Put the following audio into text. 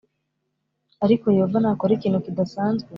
Ariko Yehova nakora ikintu kidasanzwe